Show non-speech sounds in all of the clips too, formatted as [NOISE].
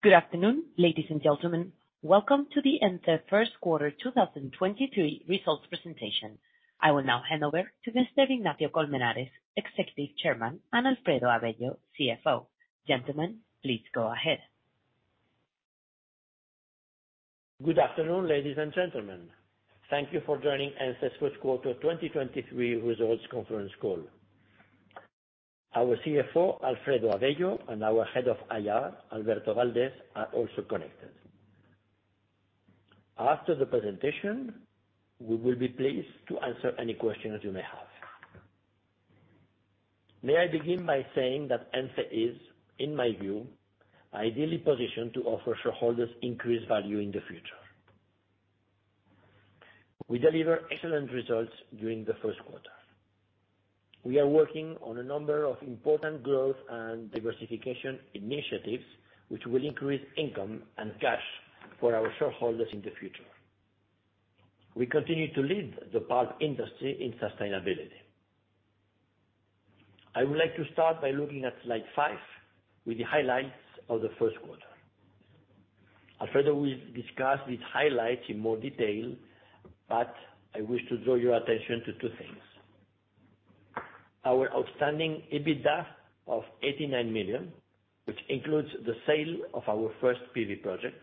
Good afternoon, ladies, and gentlemen. Welcome to the ENCE First Quarter 2023 Results Presentation. I will now hand over to Mr. Ignacio Colmenares, Executive Chairman, and Alfredo Avello, CFO. Gentlemen, please go ahead. Good afternoon, ladies, and gentlemen. Thank you for joining ENCE's First Quarter 2023 Results Conference Call. Our CFO, Alfredo Avello, and our Head of IR, Alberto Valdés, are also connected. After the presentation, we will be pleased to answer any questions you may have. May I begin by saying that ENCE is, in my view, ideally positioned to offer shareholders increased value in the future. We deliver excellent results during the first quarter. We are working on a number of important growth and diversification initiatives, which will increase income and cash for our shareholders in the future. We continue to lead the pulp industry in sustainability. I would like to start by looking at slide five with the highlights of the first quarter. Alfredo will discuss these highlights in more detail, but I wish to draw your attention to two things. Our outstanding EBITDA of 89 million, which includes the sale of our first PV project.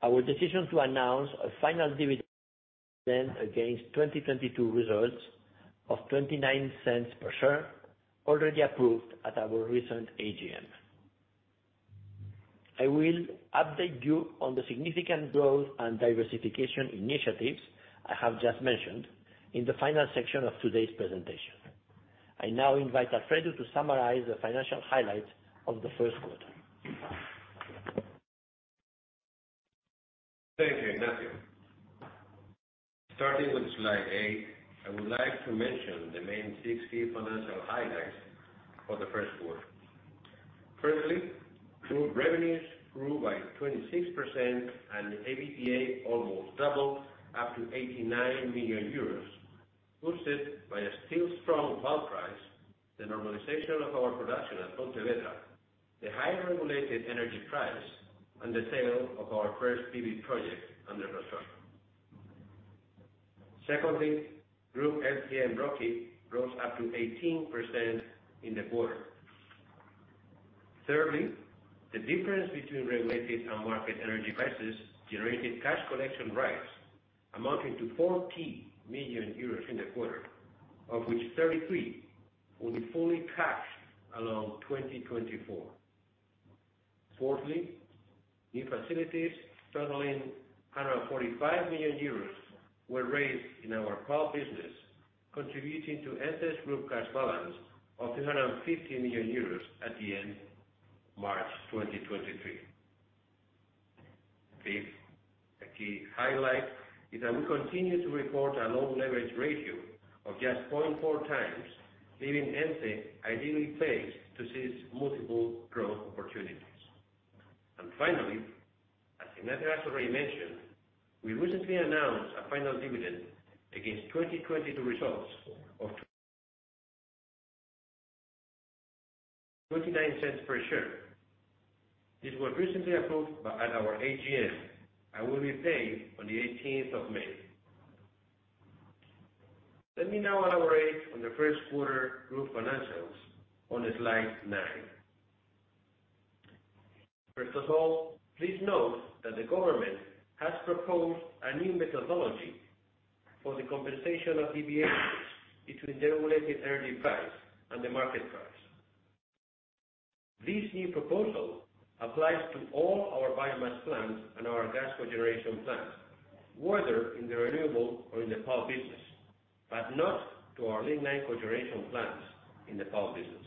Our decision to announce a final dividend against 2022 results of 0.29 per share, already approved at our recent AGM. I will update you on the significant growth and diversification initiatives I have just mentioned in the final section of today's presentation. I now invite Alfredo to summarize the financial highlights of the first quarter. Thank you, Ignacio. Starting with slide eight, I would like to mention the main six key financial highlights for the first quarter. Firstly, group revenues grew by 26% and the EBITDA almost doubled up to 89 million euros, boosted by a still strong pulp price, the normalization of our production at Pontevedra, the higher regulated energy price, and the sale of our first PV project under construction. Secondly, group FCF rocket rose up to 18% in the quarter. Thirdly, the difference between regulated and market energy prices generated cash collection rights amounting to 40 million euros in the quarter, of which 33 will be fully cashed along 2024. Fourthly, new facilities totaling 145 million euros were raised in our pulp business, contributing to ENCE's group cash balance of 550 million euros at the end March 2023. Fifth, a key highlight is that we continue to report a low leverage ratio of just 0.4 times, leaving ENCE ideally placed to seize multiple growth opportunities. Finally, as Ignacio has already mentioned, we recently announced a final dividend against 2022 results of EUR 0.29 per share. This was recently approved by our AGM and will be paid on the 18th of May. Let me now elaborate on the first quarter group financials on slide nine. First of all, please note that the government has proposed a new methodology for the compensation of CBT differences between the regulated energy price and the market price. This new proposal applies to all our biomass plants and our gas cogeneration plants, whether in the renewable or in the pulp business, but not to our Navia cogeneration plants in the pulp business.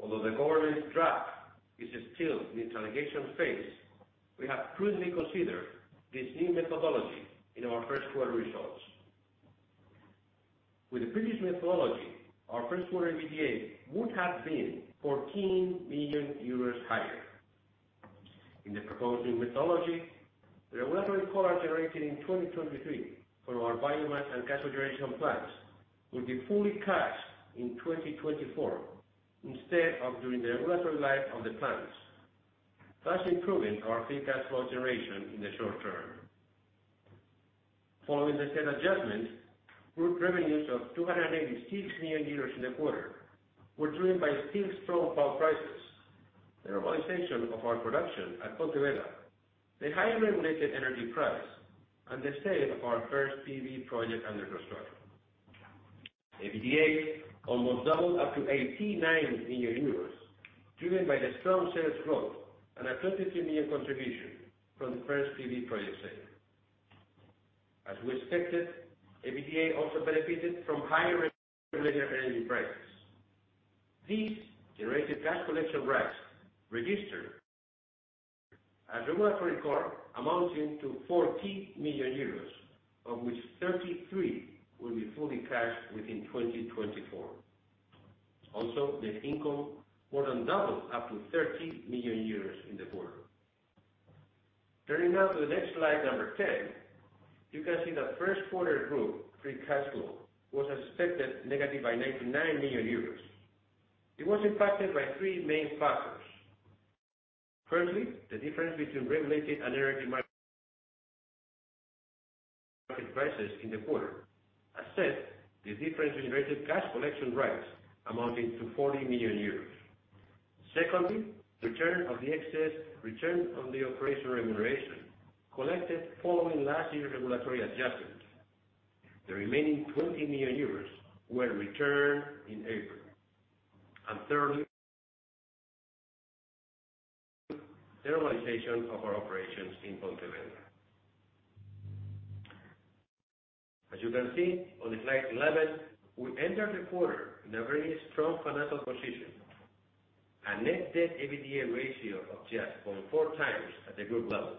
Although the government's draft is still in the interrogation phase, we have prudently considered this new methodology in our first quarter results. With the previous methodology, our first quarter EBITDA would have been 14 million euros higher. In the proposed new methodology, the regulatory collar generated in 2023 for our biomass and cogeneration plants will be fully cashed in 2024 instead of during the regulatory life of the plants, thus improving our free cash flow generation in the short term. Following the said adjustment, group revenues of 286 million euros in the quarter were driven by still strong pulp prices, the normalization of our production at Pontevedra, the higher regulated energy price, and the sale of our first PV project under construction. EBITDA almost doubled up to 89 million euros, driven by the strong sales growth and a 22 million contribution from the first PV project sale. As we expected, EBITDA also benefited from higher regulated energy prices. These generated cash collection rights registered as regulatory collar amounting to 40 million euros, of which 33 will be fully cashed within 2024. Net income more than doubled up to 30 million euros in the quarter. Turning now to the next slide, number 10. You can see that first quarter group free cash flow was as expected, negative by 99 million euros. It was impacted by three main factors. Firstly, the difference between regulated energy market prices in the quarter. As said, the difference in regulated cash collection rights amounting to 40 million euros. Secondly, return of the excess return on the operation remuneration collected following last year's regulatory adjustment. The remaining 20 million euros were returned in April. Thirdly, the normalization of our operations in Pontevedra. As you can see on the slide 11, we entered the quarter in a very strong financial position. A net debt EBITDA ratio of just 0.4x at the group level.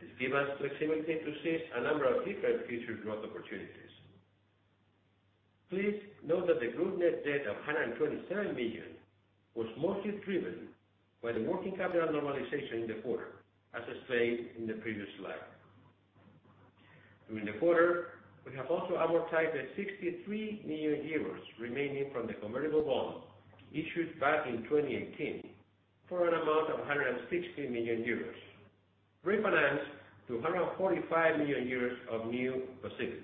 This give us flexibility to seize a number of different future growth opportunities. Please note that the group net debt of 127 million was mostly driven by the working capital normalization in the quarter, as explained in the previous slide. During the quarter, we have also amortized 63 million euros remaining from the convertible bond issued back in 2018 for an amount of 160 million euros, refinanced to 145 million euros of new facilities.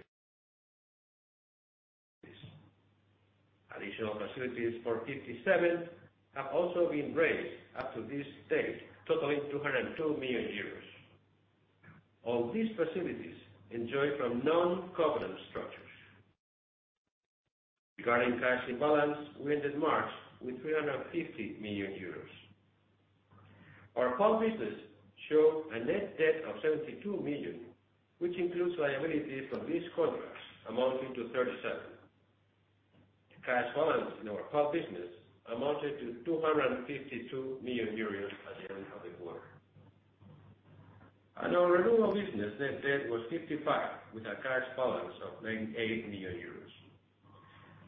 Additional facilities for 57 million have also been raised up to this stage, totaling 202 million euros. All these facilities enjoy from non-covenant structures. Regarding cash and balance, we ended March with 350 million euros. Our pulp business showed a net debt of 72 million, which includes liability from lease contracts amounting to 37 million. The cash balance in our pulp business amounted to 252 million euros at the end of the quarter. Our renewable business net debt was 55 million, with a cash balance of 98 million euros.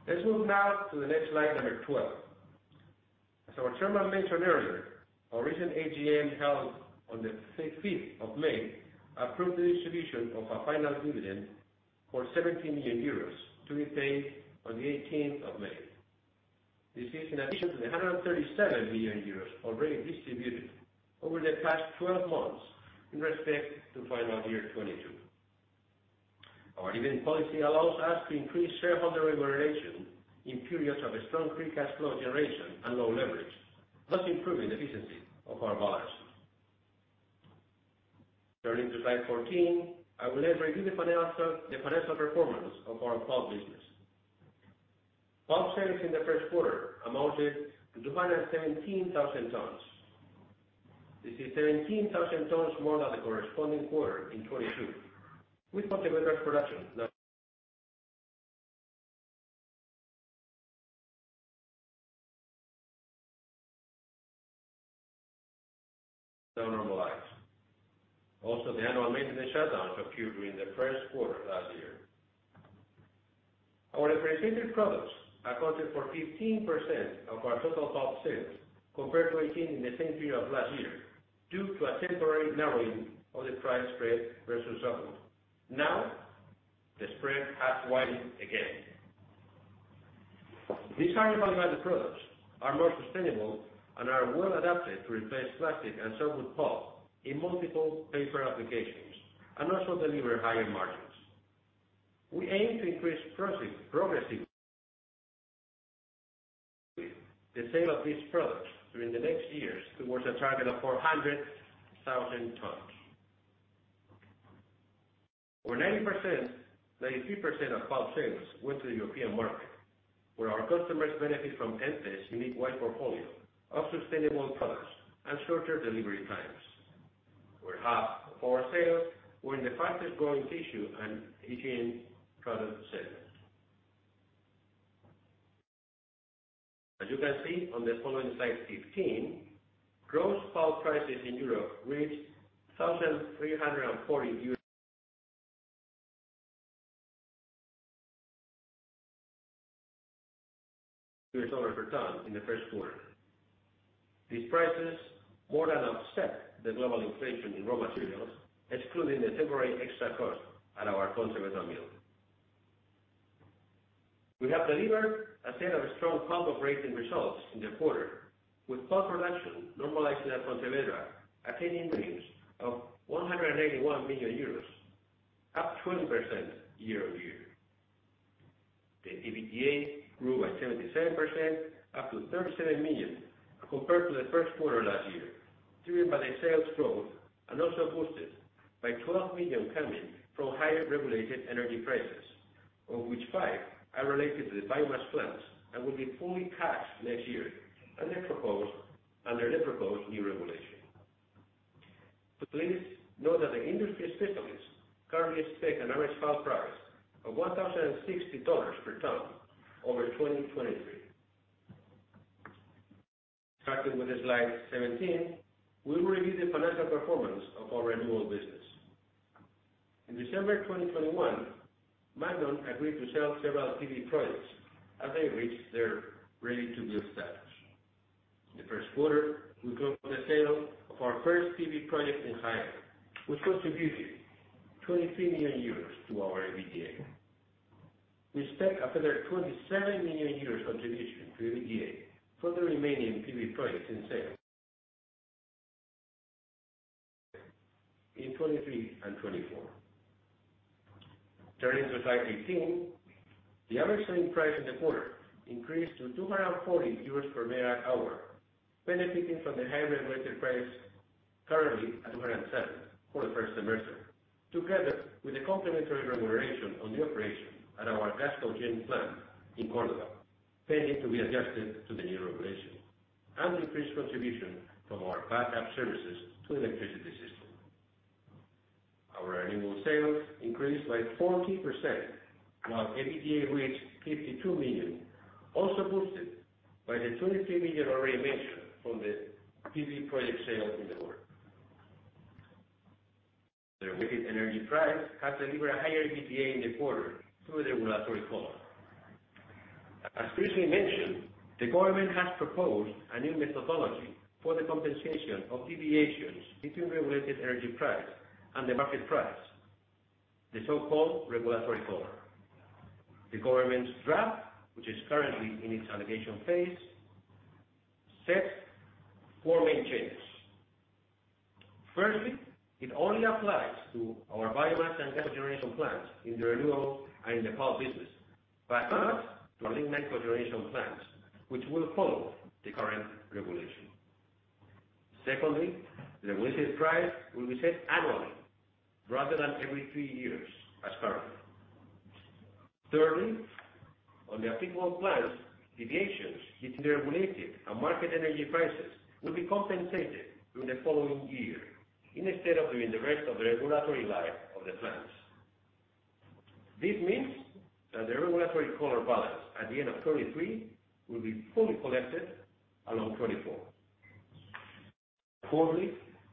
Let's move now to the next slide, number 12. As our chairman mentioned earlier, our recent AGM held on the 5th of May approved the distribution of our final dividend for 17 million euros to be paid on the 18th of May. This is in addition to the 137 million euros already distributed over the past 12 months in respect to final year 2022. Our dividend policy allows us to increase shareholder remuneration in periods of a strong free cash flow generation and low leverage, thus improving the efficiency of our balance sheet. Turning to slide 14, I will now review the financial performance of our pulp business. Pulp sales in the first quarter amounted to 217,000 tons. This is 13,000 tons more than the corresponding quarter in 2022, with Pontevedra's production now normalized. Also, the annual maintenance shutdown occurred during the first quarter last year. Our representative products accounted for 15% of our total pulp sales, compared to 18% in the same period of last year, due to a temporary narrowing of the price spread versus softwood. Now the spread has widened again. These higher value-added products are more sustainable and are well adapted to replace plastic and softwood pulp in multiple paper applications, also deliver higher margins. We aim to increase progressively the sale of these products during the next years towards a target of 400,000 tons. Over 93% of pulp sales went to the European market, where our customers benefit from ENCE's unique wide portfolio of sustainable products and shorter delivery times. We're half of our sales. We're in the fastest growing tissue and hygiene product segment. As you can see on the following slide 15, gross pulp prices in Europe reached 1,340 euros per ton in the first quarter. These prices more than offset the global inflation in raw materials, excluding the temporary extra cost at our Pontevedra mill. We have delivered a set of strong pulp operating results in the quarter, with pulp production normalizing at Pontevedra, attaining revenues of EUR 181 million, up 20% year-over-year. The EBITDA grew by 77%, up to 37 million compared to the first quarter last year, driven by the sales growth and also boosted by 12 million coming from higher regulated energy prices, of which 5 million are related to the biomass plants and will be fully cashed next year under the proposed new regulation. Please note that the industry specialists currently expect an average pulp price of $1,060 per ton over 2023. Starting with slide 17, we will review the financial performance of our renewal business. In December 2021, Magnon agreed to sell several PV projects as they reached their ready-to-build status. In the first quarter, we closed the sale of our first PV project in Spain, which contributed 23 million euros to our EBITDA. We expect a further 27 million euros contribution to EBITDA for the remaining PV projects in sale in 2023 and 2024. Turning to slide 18, the average selling price in the quarter increased to 240 euros per MWh, benefiting from the high regulated price, currently at 207 for the first semester. Together with the complementary remuneration on the operation at our gas combined plant in Córdoba, pending to be adjusted to the new regulation, and increased contribution from our back-up services to electricity system. Our annual sales increased by 14%, while EBITDA reached 52 million, also boosted by the 23 million already mentioned from the PV project sale in the quarter. The regulated energy price has delivered a higher EBITDA in the quarter through the regulatory collar. As previously mentioned, the government has proposed a new methodology for the compensation of deviations between regulated energy price and the market price, the so-called regulatory collar. The government's draft, which is currently in its allegation phase, sets four main changes. Firstly, it only applies to our biomass and cogeneration plants in the renewable and in the pulp business, but not to our lignite cogeneration plants, which will follow the current regulation. Secondly, the regulated price will be set annually rather than every three years as currently. Thirdly, on the applicable plants, deviations between the regulated and market energy prices will be compensated during the following year instead of during the rest of the regulatory life of the plants. This means that the regulatory fall balance at the end of 2023 will be fully collected along 2024. Fourthly,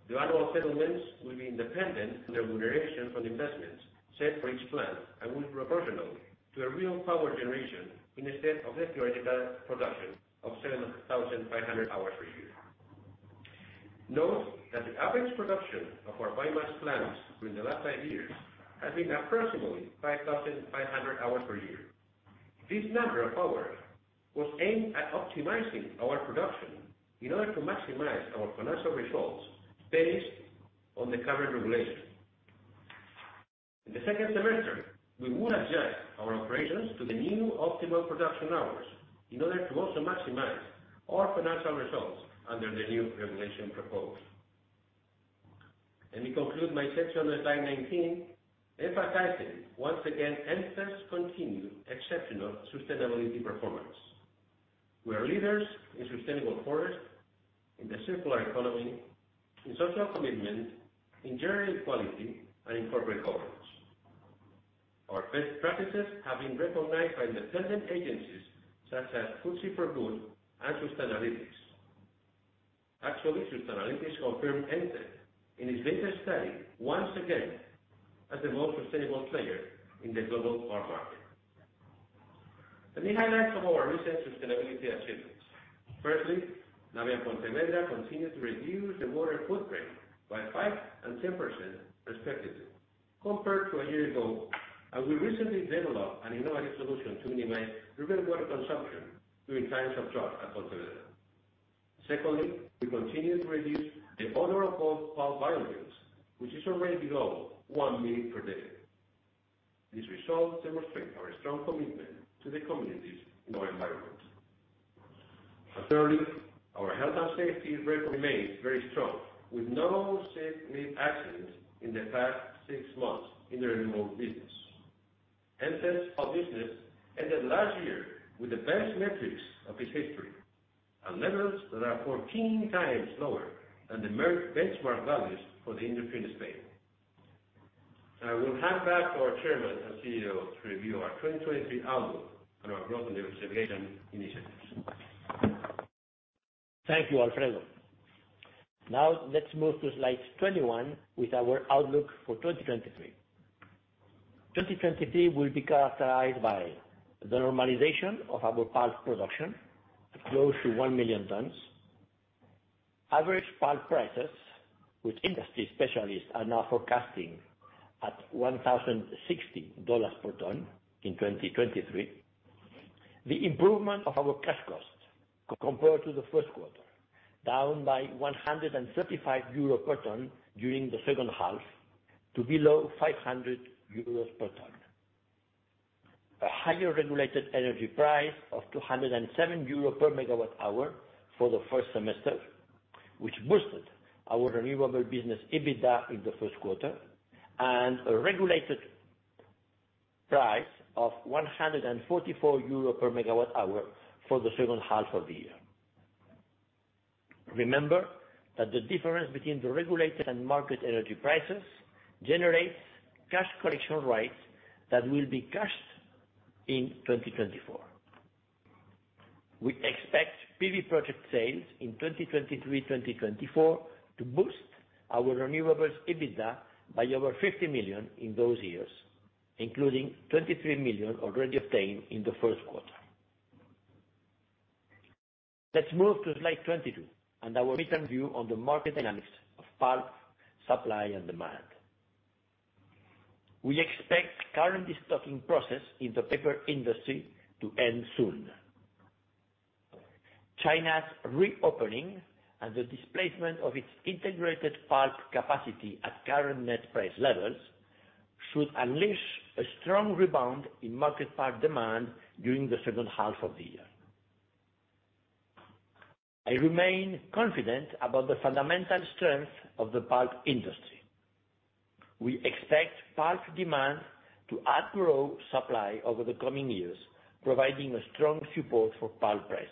the annual settlements will be independent from the remuneration from the investments set for each plant, and will be proportional to the real power generation instead of the theoretical production of 7,500 hours per year. Note that the average production of our biomass plants during the last five years has been approximately 5,500 hours per year. This number of hours was aimed at optimizing our production in order to maximize our financial results based on the current regulation. In the second semester, we will adjust our operations to the new optimal production hours in order to also maximize our financial results under the new regulation proposed. Let me conclude my section on slide 19, emphasizing once again ENCE's continued exceptional sustainability performance. We are leaders in sustainable forest, in the circular economy, in social commitment, in gender equality, and in corporate governance. Our best practices have been recognized by independent agencies such as FTSE4Good and Sustainalytics. Actually, Sustainalytics confirmed ENCE in its latest study once again as the most sustainable player in the global pulp market. Let me highlight some of our recent sustainability achievements. Firstly, Navia Pontevedra continued to reduce the water footprint by 5% and 10% respectively compared to a year ago, and we recently developed an innovative solution to minimize river water consumption during times of drought at Pontevedra. Secondly, we continue to reduce the odor of pulp mill biooils, which is already below 1 minute per day. These results demonstrate our strong commitment to the communities in our environment. Thirdly, our health and safety record remains very strong, with no accidents in the past six months in the renewable business. ENCE's pulp business ended last year with the best metrics of its history, at levels that are 14 times lower than the benchmark values for the industry in Spain. I will hand back to our Chairman and CEO to review our 2023 outlook on our growth and diversification initiatives. Thank you, Alfredo. Now let's move to slide 21 with our outlook for 2023. 2023 will be characterized by the normalization of our pulp production to close to 1 million tons. Average pulp prices, which industry specialists are now forecasting at $1,060 per ton in 2023. The improvement of our cash costs compared to the first quarter, down by 135 euro per ton during the second half to below 500 euros per ton. A highly regulated energy price of 207 euro per MWh for the first semester, which boosted our renewable business EBITDA in the first quarter. A regulated price of 144 euro per MWh for the second half of the year. Remember that the difference between the regulated and market energy prices generates cash collection rights that will be cashed in 2024. We expect PV project sales in 2023, 2024 to boost our renewables EBITDA by over 50 million in those years, including 23 million already obtained in the first quarter. Let's move to slide 22 and our recent view on the market dynamics of pulp supply and demand. We expect current destocking process in the paper industry to end soon. China's reopening and the displacement of its integrated pulp capacity at current net price levels should unleash a strong rebound in market pulp demand during the second half of the year. I remain confident about the fundamental strength of the pulp industry. We expect pulp demand to outgrow supply over the coming years, providing a strong support for pulp prices.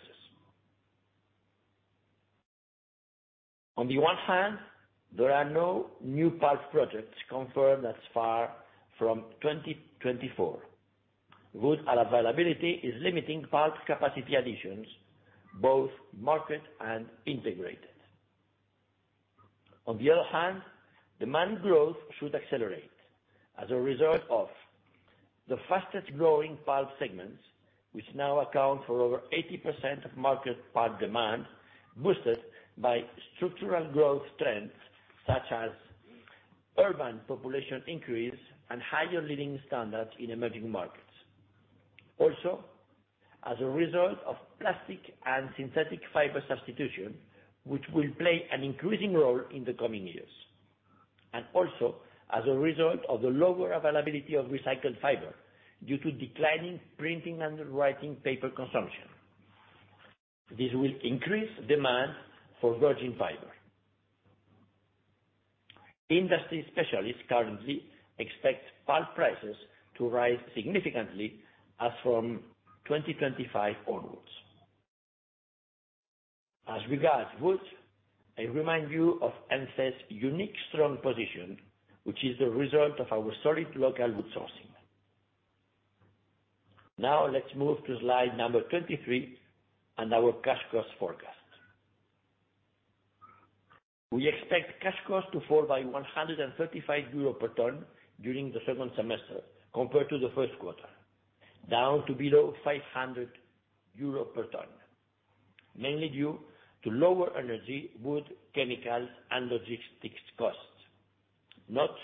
On the one hand, there are no new pulp projects confirmed as far from 2024. Wood availability is limiting pulp capacity additions, both market and integrated. On the other hand, demand growth should accelerate as a result of the fastest growing pulp segments, which now account for over 80% of market pulp demand, boosted by structural growth trends such as urban population increase and higher living standards in emerging markets. As a result of plastic and synthetic fiber substitution, which will play an increasing role in the coming years. As a result of the lower availability of recycled fiber due to declining printing and writing paper consumption. This will increase demand for virgin fiber. Industry specialists currently expect pulp prices to rise significantly as from 2025 onwards. As regards wood, I remind you of ENCE's unique strong position, which is the result of our solid local wood sourcing. Let's move to slide number 23 and our cash cost forecast. We expect cash costs to fall by 135 euros per ton during the second semester compared to the first quarter, down to below 500 euro per ton, mainly due to lower energy, wood, chemical, and logistics costs. Note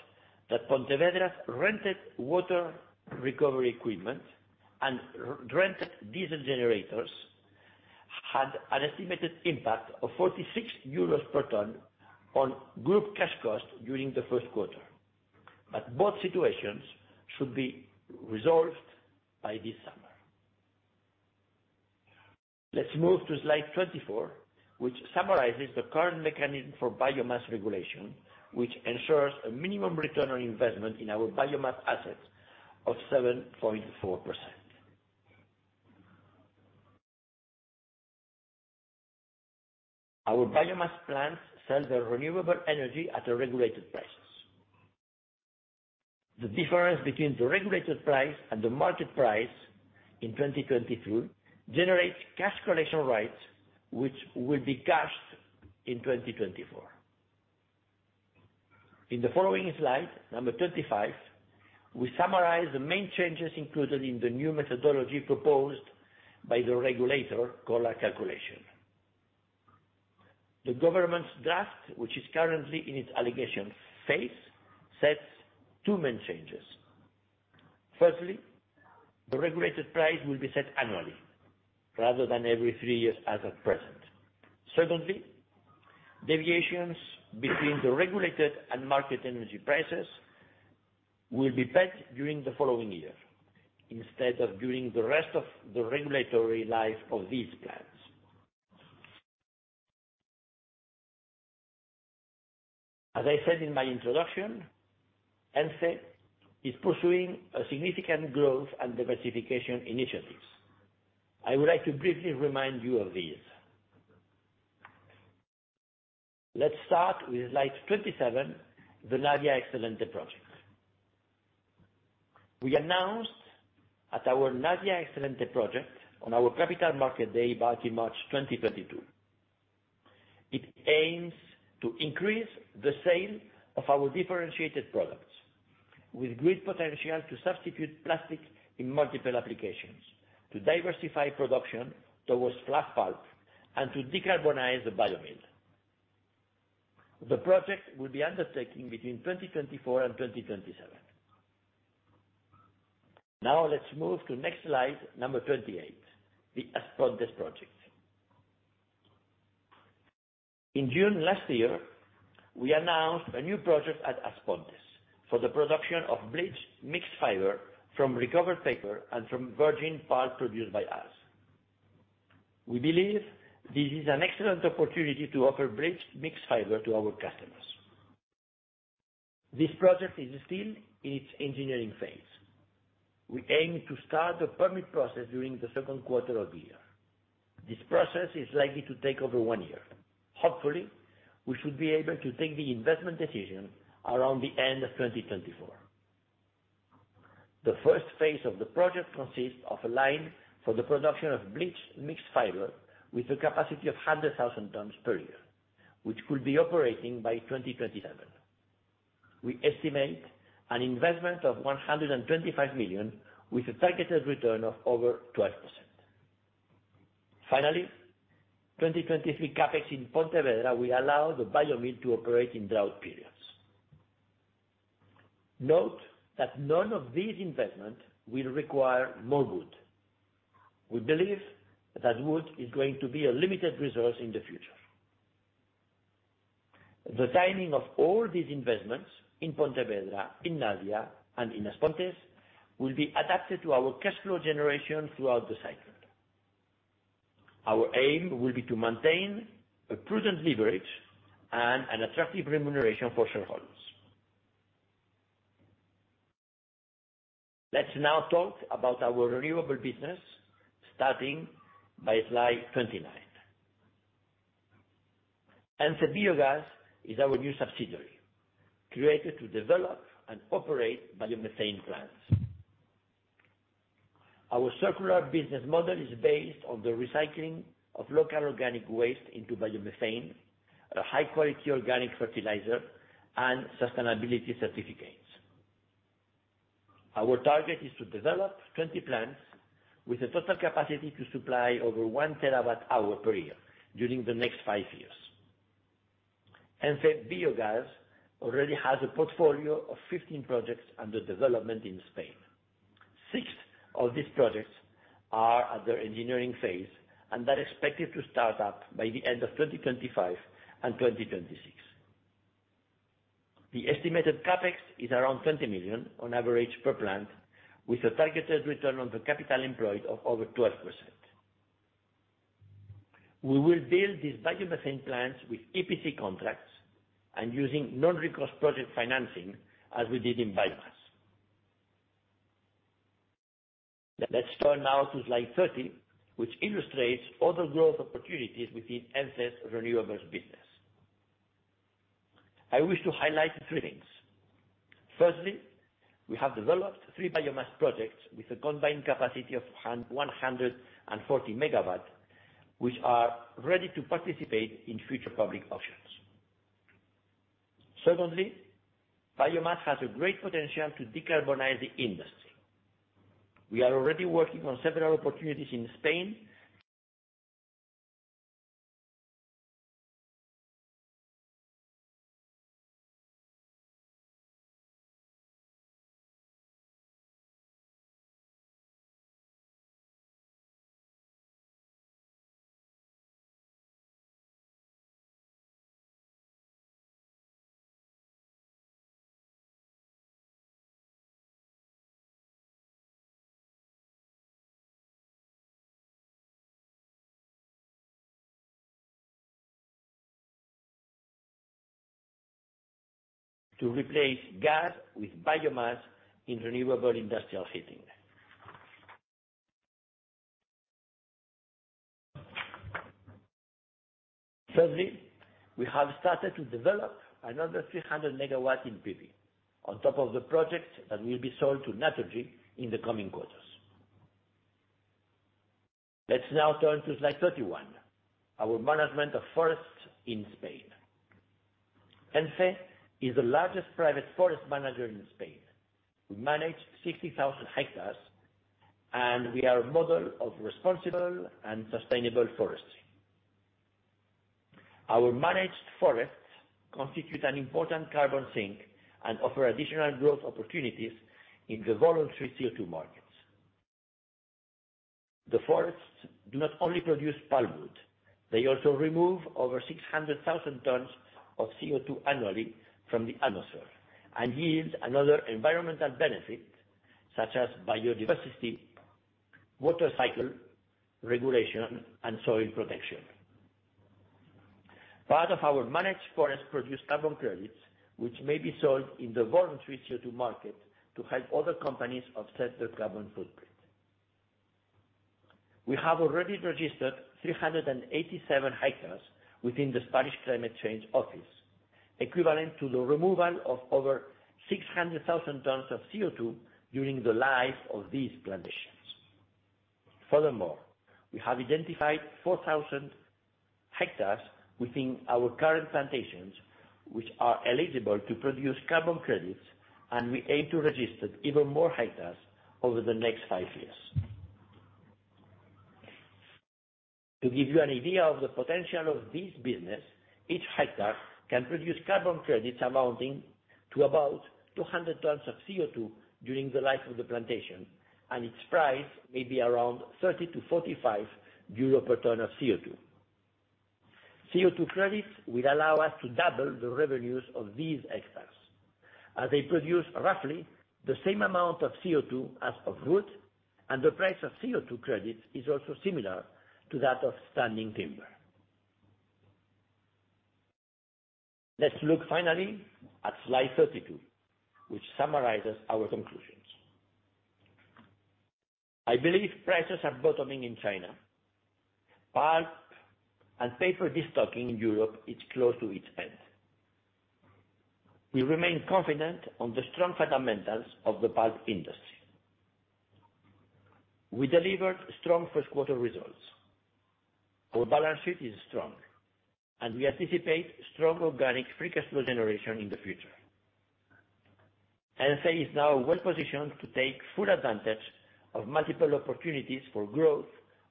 that Pontevedra's rented water recovery equipment and rented diesel generators had an estimated impact of 46 euros per ton on group cash costs during the first quarter. Both situations should be resolved by this summer. Let's move to slide 24, which summarizes the current mechanism for biomass regulation, which ensures a minimum return on investment in our biomass assets of 7.4%. Our biomass plants sell their renewable energy at regulated prices. The difference between the regulated price and the market price in 2022 generates cash collection rights, which will be cashed in 2024. In the following slide, number 25, we summarize the main changes included in the new methodology proposed by the regulatory collar calculation. The government's draft, which is currently in its allegation phase, sets two main changes. Firstly, the regulated price will be set annually rather than every three years as at present. Secondly, deviations between the regulated and market energy prices will be paid during the following year instead of during the rest of the regulatory life of these plants. As I said in my introduction, ENCE is pursuing a significant growth and diversification initiatives. I would like to briefly remind you of these. Let's start with slide 27, the Navia Excelente project. We announced at our Navia Excelente project on our Capital Markets Day back in March 2022. It aims to increase the sale of our differentiated products with great potential to substitute plastic in multiple applications, to diversify production towards fluff pulp, and to decarbonize the bio mill. The project will be undertaking between 2024 and 2027. Let's move to next slide, number 28, the As Pontes project. In June last year, we announced a new project at As Pontes for the production of bleached mixed fiber from recovered paper and from virgin pulp produced by us. We believe this is an excellent opportunity to offer bleached mixed fiber to our customers. This project is still in its engineering phase. We aim to start the permit process during the second quarter of the year. This process is likely to take over one year. Hopefully, we should be able to take the investment decision around the end of 2024. The first phase of the project consists of a line for the production of bleached mixed fiber with a capacity of 100,000 tons per year, which will be operating by 2027. We estimate an investment of 125 million, with a targeted return of over 12%. Finally, 2023 CapEx in Pontevedra will allow the bio mill to operate in drought periods. Note that none of these investments will require more wood. We believe that wood is going to be a limited resource in the future. The timing of all these investments in Pontevedra, in Navia, and in As Pontes will be adapted to our cash flow generation throughout the cycle. Our aim will be to maintain a prudent leverage and an attractive remuneration for shareholders. Let's now talk about our renewable business, starting by slide 29. Ence Biogas is our new subsidiary, created to develop and operate biomethane plants. Our circular business model is based on the recycling of local organic waste into biomethane, a high-quality organic fertilizer, and sustainability certificates. Our target is to develop 20 plants with a total capacity to supply over 1 TWh per year during the next five years. Ence Biogas already has a portfolio of 15 projects under development in Spain. Six of these projects are at their engineering phase and are expected to start up by the end of 2025 and 2026. The estimated CapEx is around 20 million on average per plant, with a targeted return on the capital employed of over 12%. We will build these biomethane plants with EPC contracts and using non-recourse project financing as we did in biomass. Let's turn now to slide 30, which illustrates other growth opportunities within ENCE's renewables business. I wish to highlight three things. Firstly, we have developed three biomass projects with a combined capacity of 140 MW, which are ready to participate in future public auctions. Secondly, biomass has a great potential to decarbonize the industry. We are already working on several opportunities in Spain, to replace gas with biomass in renewable industrial heating. Thirdly, we have started to develop another 300 MW in PV on top of the project that will be sold to Naturgy in the coming quarters. Let's now turn to slide 31, our management of forests in Spain. ENCE is the largest private forest manager in Spain. We manage 60,000 hectares, and we are a model of responsible and sustainable forestry. Our managed forests constitute an important carbon sink and offer additional growth opportunities in the voluntary CO₂ markets. The forests do not only produce pulpwood, they also remove over 600,000 tons of CO₂ annually from the atmosphere and yield another environmental benefit, such as biodiversity, water cycle regulation, and soil protection. Part of our managed forest produce carbon credits, which may be sold in the voluntary CO₂ market to help other companies offset their carbon footprint. We have already registered 387 hectares within the Spanish Climate Change Office, equivalent to the removal of over 600,000 tons of CO₂ during the life of these plantations. Furthermore, we have identified 4,000 hectares within our current plantations, which are eligible to produce carbon credits, and we aim to register even more hectares over the next five years. To give you an idea of the potential of this business, each hectare can produce carbon credits amounting to about 200 tons of CO₂ during the life of the plantation, and its price may be around 30-45 euro per ton of CO₂. CO₂ credits will allow us to double the revenues of these hectares as they produce roughly the same amount of CO₂ as of wood, and the price of CO₂ credits is also similar to that of standing timber. Let's look finally at slide 32, which summarizes our conclusions. I believe prices are bottoming in China. Pulp and paper destocking in Europe is close to its end. We remain confident on the strong fundamentals of the pulp industry. We delivered strong 1st quarter results. Our balance sheet is strong, and we anticipate strong organic free cash flow generation in the future. ENCE is now well positioned to take full advantage of multiple opportunities for growth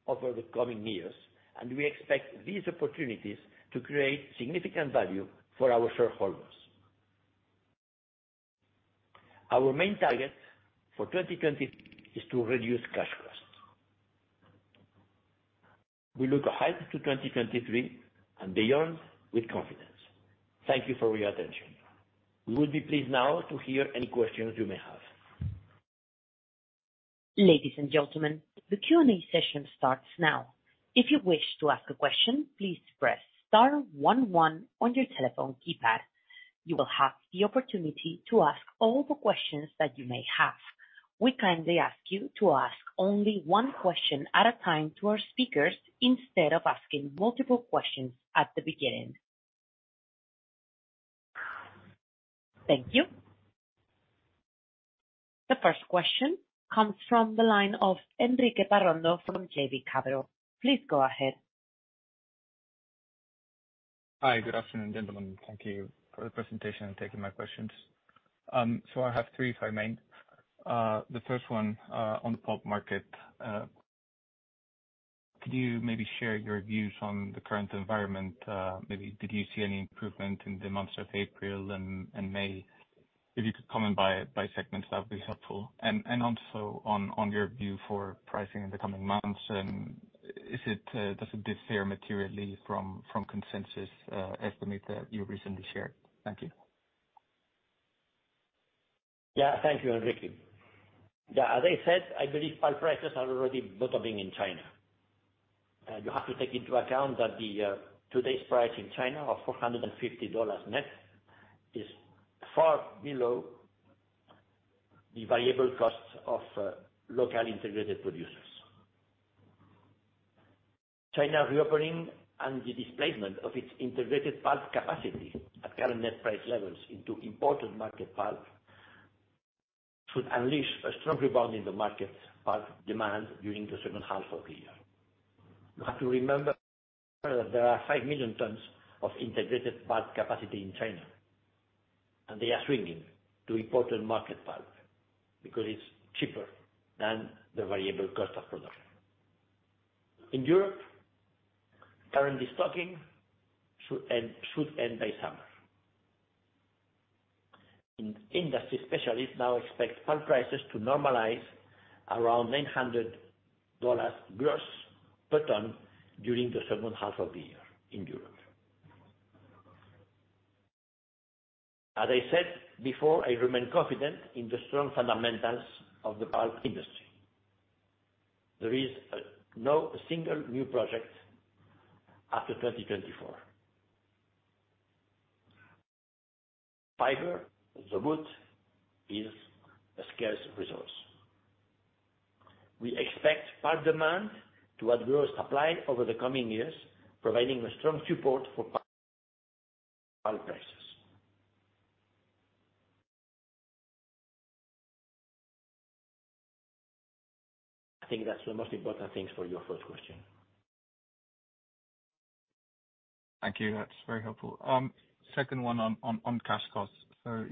over the coming years, and we expect these opportunities to create significant value for our shareholders. Our main target for 2020 is to reduce cash costs. We look ahead to 2023 and beyond with confidence. Thank you for your attention. We would be pleased now to hear any questions you may have. Ladies, and gentlemen, the Q&A session starts now. If you wish to ask a question, please press star one one on your telephone keypad. You will have the opportunity to ask all the questions that you may have. We kindly ask you to ask only one question at a time to our speakers instead of asking multiple questions at the beginning. Thank you. The first question comes from the line of Enrique Parrondo from JB Capital. Please go ahead. Hi. Good afternoon, gentlemen. Thank you for the presentation and taking my questions. I have three, if I may. The first one on the pulp market. Could you maybe share your views on the current environment? Maybe did you see any improvement in the months of April and May? If you could comment by segment that would be helpful. Also on your view for pricing in the coming months, is it, does it differ materially from consensus estimate that you recently shared? Thank you. Yeah. Thank you, Enrique. Yeah. As I said, I believe pulp prices are already bottoming in China. You have to take into account that the today's price in China of $450 net is far below the variable costs of local integrated producers. China reopening and the displacement of its integrated pulp capacity at current net price levels into important market pulp should unleash a strong rebound in the market pulp demand during the second half of the year. You have to remember that there are 5 million tons of integrated pulp capacity in China, and they are swinging to important market pulp because it's cheaper than the variable cost of production. In Europe, current destocking should end by summer. Industry specialists now expect pulp prices to normalize around $900 gross per ton during the second half of the year in Europe. As I said before, I remain confident in the strong fundamentals of the pulp industry. There is no single new project after 2024. Fiber, the wood is a scarce resource. We expect pulp demand to outgrow supply over the coming years, providing a strong support for pulp prices. I think that's the most important things for your first question. Thank you. That's very helpful. Second one on cash costs.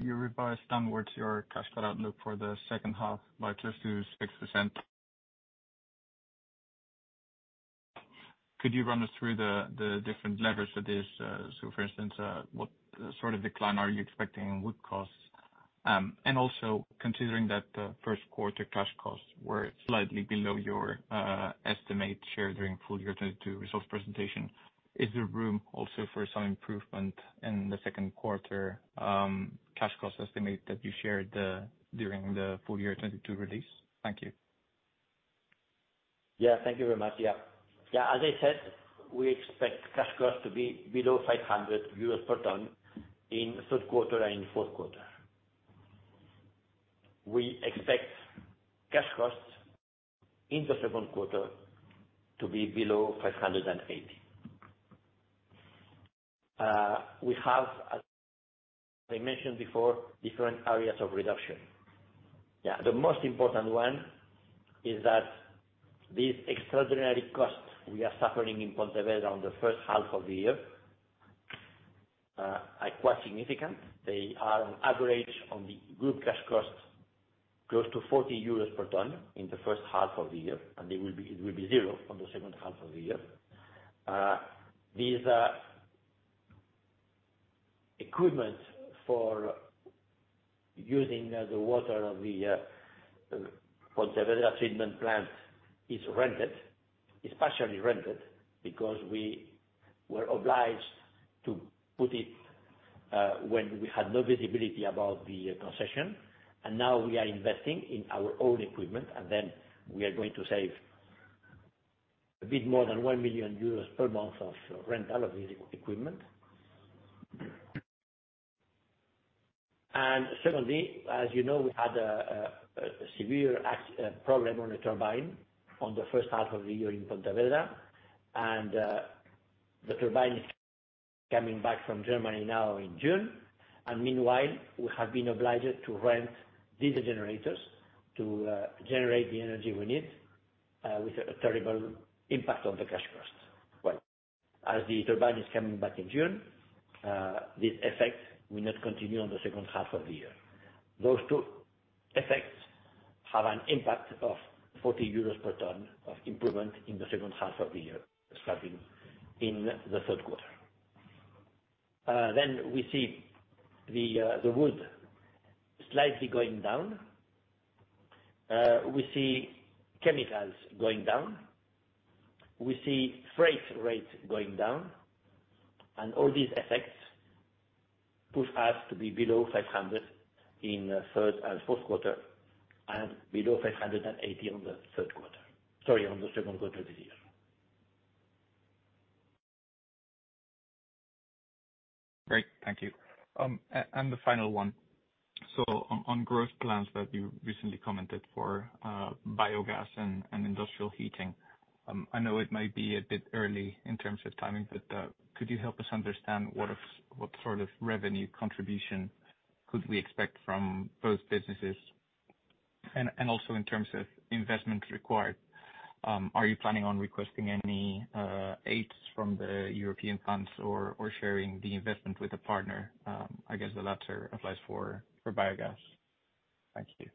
You revised downwards your cash cost outlook for the second half by just to 6%. Could you run us through the different levers for this? For instance, what sort of decline are you expecting in wood costs? Also considering that the first quarter cash costs were slightly below your estimate share during full year 2022 resource presentation, is there room also for some improvement in the second quarter, cash cost estimate that you shared, during the full year 2022 release? Thank you. Thank you very much. As I said, we expect cash costs to be below 500 euros per ton in third quarter and fourth quarter. We expect cash costs in the second quarter to be below 580. We have, as I mentioned before, different areas of reduction. The most important one is that these extraordinary costs we are suffering in Pontevedra on the first half of the year are quite significant. They are on average on the group cash costs, close to 40 euros per ton in the first half of the year, and it will be zero on the second half of the year. These equipment for using the water of the Pontevedra treatment plant is rented. It's partially rented because we were obliged to put it, when we had no visibility about the concession, and now we are investing in our own equipment. We are going to save a bit more than 1 million euros per month of rental of this equipment. Secondly, as you know, we had a severe problem on a turbine on the first half of the year in Pontevedra. The turbine is coming back from Germany now in June. Meanwhile, we have been obliged to rent diesel generators to generate the energy we need, with a terrible impact on the cash flows. As the turbine is coming back in June, this effect will not continue on the second half of the year. Those two effects have an impact of 40 euros per ton of improvement in the second half of the year, starting in the third quarter. We see the wood slightly going down. We see chemicals going down, we see freight rates going down, all these effects push us to be below 500 in third and fourth quarter, and below 580 on the third quarter. Sorry, on the second quarter of this year. Great. Thank you. And the final one. On growth plans that you recently commented for biogas and industrial heating, I know it might be a bit early in terms of timing, but could you help us understand what sort of revenue contribution could we expect from both businesses? Also in terms of investment required, are you planning on requesting any aids from the European funds or sharing the investment with a partner? I guess the latter applies for biogas. Thank you.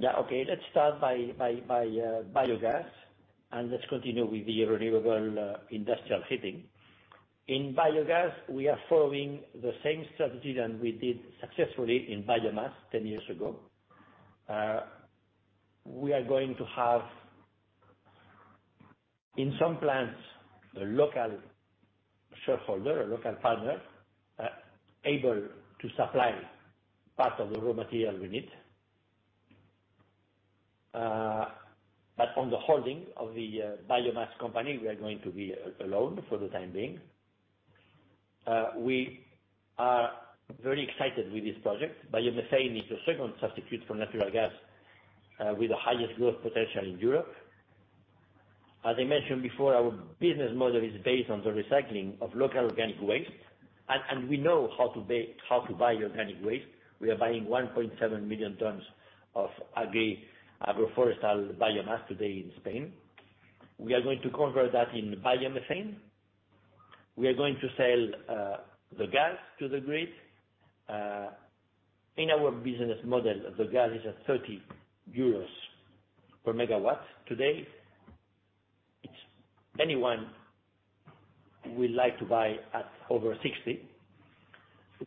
Yeah. Okay. Let's start by biogas, let's continue with the renewable industrial heating. In biogas, we are following the same strategy than we did successfully in biomass 10 years ago. We are going to have, in some plants, a local shareholder, a local partner, able to supply part of the raw material we need. On the holding of the biomass company, we are going to be alone for the time being. We are very excited with this project. Biomethane is the second substitute for natural gas with the highest growth potential in Europe. As I mentioned before, our business model is based on the recycling of local organic waste. We know how to buy organic waste. We are buying 1.7 million tons of agroforestry biomass today in Spain. We are going to convert that in biomethane. We are going to sell the gas to the grid. In our business model, the gas is at 30 euros per MW today. Anyone would like to buy at over 60.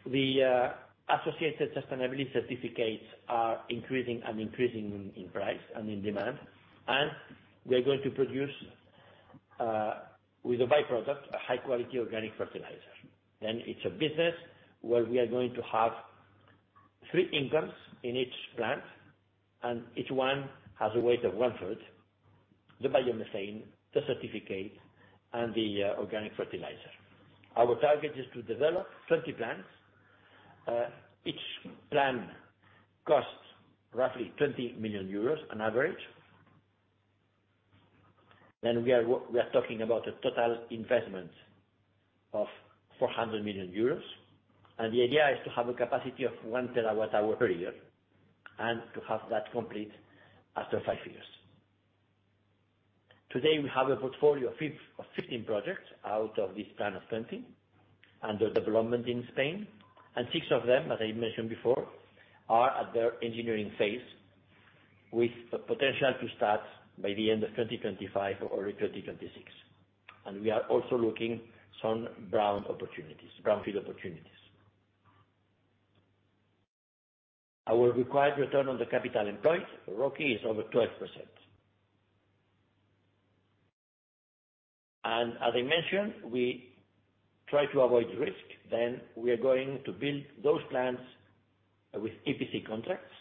The associated sustainability certificates are increasing and increasing in price and in demand. We are going to produce with a by-product, a high quality organic fertilizer. It's a business where we are going to have three incomes in each plant, and each one has a weight of 1/3, the biomethane, the certificate, and the organic fertilizer. Our target is to develop 20 plants. Each plant costs roughly 20 million euros on average. We are talking about a total investment of 400 million euros, and the idea is to have a capacity of 1 TWh per year, and to have that complete after five years. Today, we have a portfolio of 15 projects out of this plan of 20 under development in Spain, and 6 of them, as I mentioned before, are at their engineering phase with the potential to start by the end of 2025 or in 2026. We are also looking some brown opportunities, brownfield opportunities. Our required return on the capital employed, ROCE, is over 12%. As I mentioned, we try to avoid risk. We are going to build those plants with EPC contracts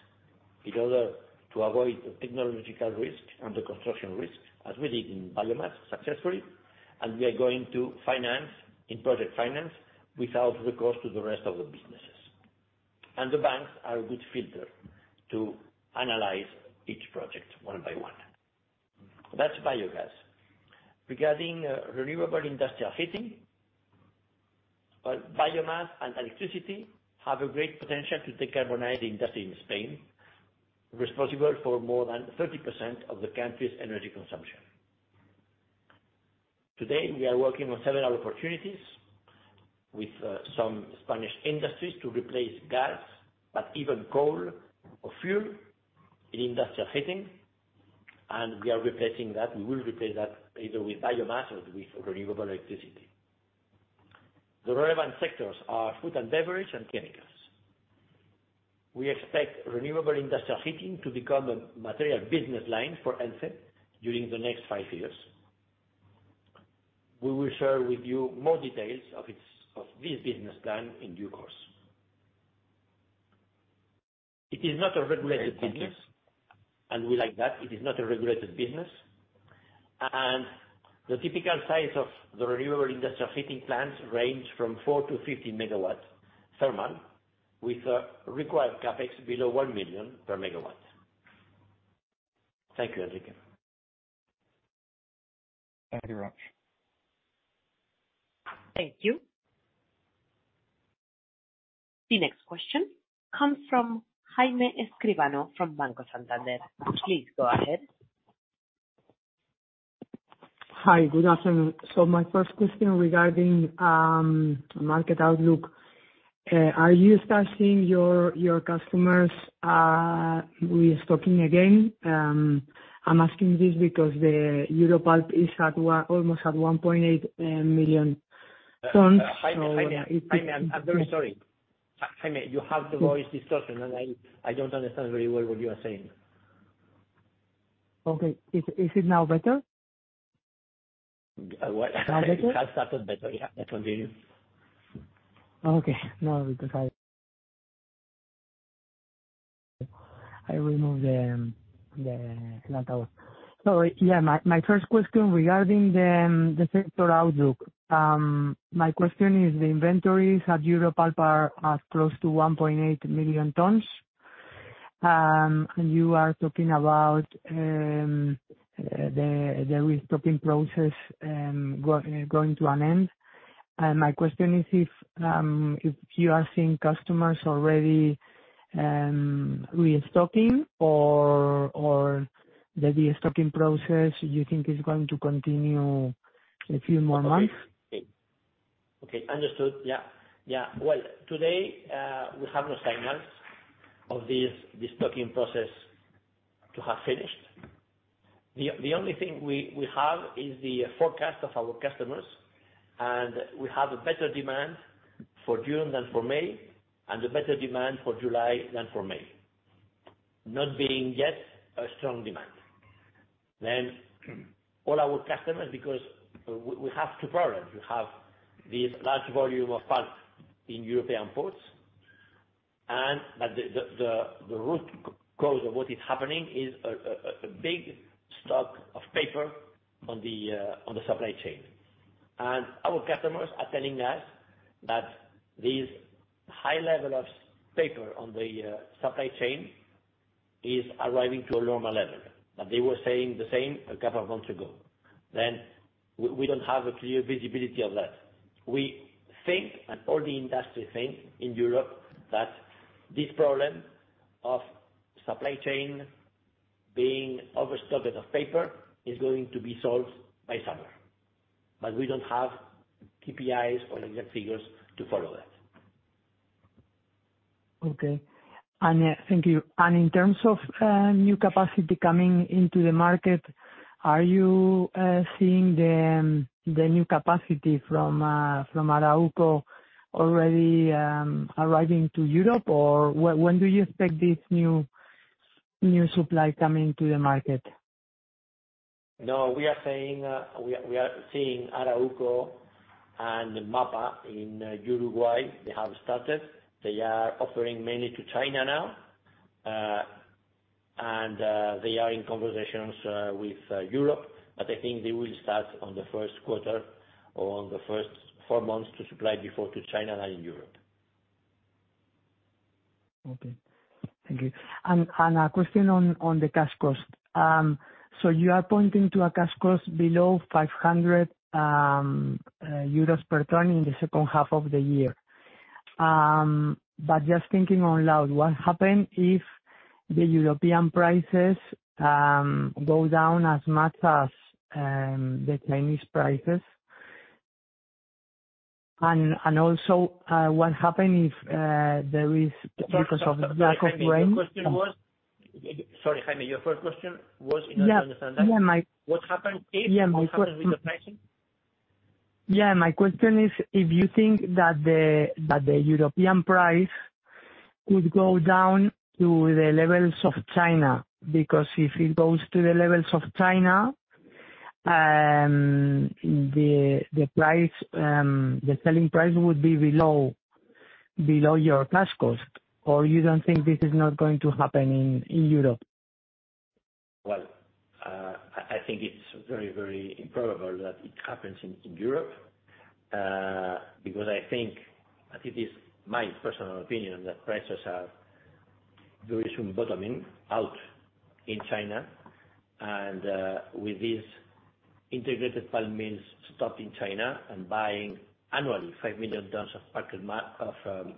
in order to avoid technological risk and the construction risk, as we did in biomass successfully. We are going to finance in project finance without recourse to the rest of the businesses. The banks are a good filter to analyze each project one by one. That's biogas. Regarding renewable industrial heating, biomass and electricity have a great potential to decarbonize the industry in Spain, responsible for more than 30% of the country's energy consumption. Today, we are working on several opportunities with some Spanish industries to replace gas, but even coal or fuel in industrial heating, and we will replace that either with biomass or with renewable electricity. The relevant sectors are food and beverage and chemicals. We expect renewable industrial heating to become a material business line for ENCE during the next five years. We will share with you more details of its, of this business plan in due course. It is not a regulated business, and we like that. It is not a regulated business. The typical size of the renewable industrial heating plants range from 4 MW-50 MW thermal, with required CapEx below 1 million per MW. Thank you, Enrique. Thank you, Ignacio Thank you. The next question comes from Jaime Escribano from Banco Santander. Please go ahead. Hi. Good afternoon. My first question regarding market outlook. Are you starting your customers restocking again? I'm asking this because the Europe pulp is almost at 1.8 million tons. Jaime, I'm very sorry. Jaime, you have the voice distortion, and I don't understand very well what you are saying. Okay. Is it now better? What? Now better? That's better, yeah. Continue. Okay. No, because I remove the. [INAUDIBLE] Yeah, my first question regarding the sector outlook. My question is, the inventories at Europe pulp are close to 1.8 million tons. And you are talking about the restocking process going to an end. My question is if you are seeing customers already restocking or the restocking process you think is going to continue a few more months? Okay. Understood. Yeah. Yeah. Today, we have no signals of this stocking process to have finished. The only thing we have is the forecast of our customers, and we have a better demand for June than for May, and a better demand for July than for May. Not being yet a strong demand. All our customers... Because we have two problems. We have this large volume of pulp in European ports, that the root cause of what is happening is a big stock of paper on the supply chain. Our customers are telling us that this high level of paper on the supply chain is arriving to a normal level, but they were saying the same a couple of months ago. We don't have a clear visibility of that. We think, and all the industry think in Europe, that this problem of supply chain being overstocked with paper is going to be solved by summer, we don't have KPIs or exact figures to follow that. Okay. Thank you. In terms of new capacity coming into the market, are you seeing the new capacity from Arauco already arriving to Europe? When do you expect this new supply coming to the market? No, we are saying, we are seeing Arauco and MAPA in Uruguay, they have started. They are offering mainly to China now, and they are in conversations with Europe. I think they will start on the first quarter or on the first four months to supply before to China than in Europe. Okay. Thank you. A question on the cash costs. You are pointing to a cash cost below 500 euros per ton in the second half of the year. Just thinking out loud, what happen if the European prices go down as much as the Chinese prices? Also, what happen if there is... Sorry, Jaime. Because of lack of rain Jaime, your question was? Sorry, Jaime, your first question was? I don't understand that. Yeah. Yeah. What happened if? Yeah, my question- What happen with the pricing? My question is, if you think that the European price could go down to the levels of China? If it goes to the levels of China, the price, the selling price would be below your cash cost. You don't think this is not going to happen in Europe? I think it's very, very improbable that it happens in Europe. I think, but it is my personal opinion, that prices are very soon bottoming out in China. With this, integrated palm means stopping China and buying annually 5 million tons of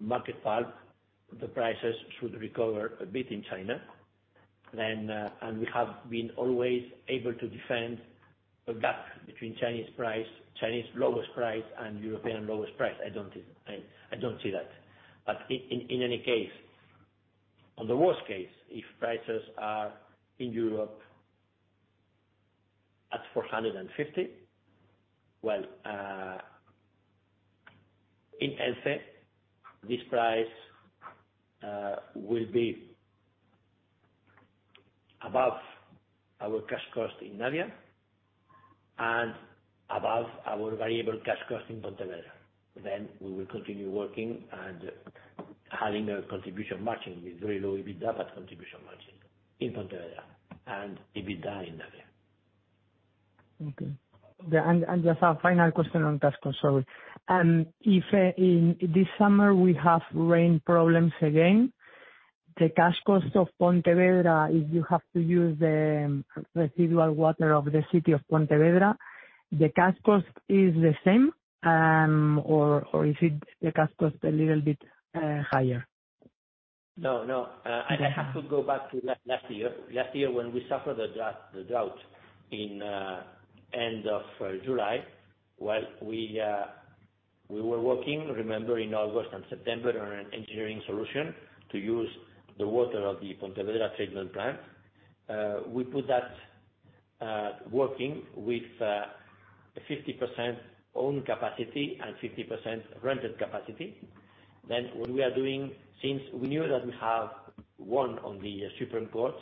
market pulp, the prices should recover a bit in China. We have been always able to defend a gap between Chinese price, Chinese lowest price, and European lowest price. I don't see that. In any case, on the worst case, if prices are in Europe at 450, in ENCE, this price will be above our cash cost in Navia and above our variable cash cost in Pontevedra. We will continue working and having a contribution margin with very low EBITDA contribution margin in Pontevedra and EBITDA in Navia. Okay. Yeah, and just a final question on cash control. If, in this summer, we have rain problems again, the cash costs of Pontevedra, if you have to use the residual water of the city of Pontevedra, the cash cost is the same, or is it the cash cost a little bit higher? No, no. Okay. I have to go back to last year. Last year when we suffered the drought in end of July, well, we were working, remember, in August and September on an engineering solution to use the water of the Pontevedra treatment plant. We put that working with 50% own capacity and 50% rented capacity. What we are doing since we knew that we have won on the Supreme Court,